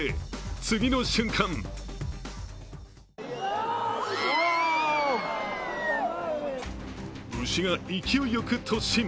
次の瞬間牛が勢いよく突進。